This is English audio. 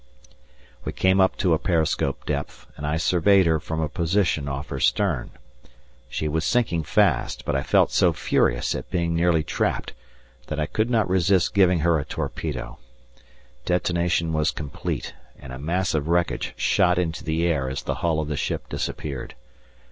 We came up to a periscope depth, and I surveyed her from a position off her stern. She was sinking fast, but I felt so furious at being nearly trapped that I could not resist giving her a torpedo; detonation was complete, and a mass of wreckage shot into the air as the hull of the ship disappeared.